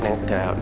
neng pak uding